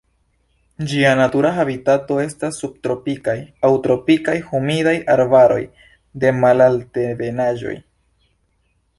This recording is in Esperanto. Ĝia natura habitato estas subtropikaj aŭ tropikaj humidaj arbaroj de malalt-ebenaĵoj.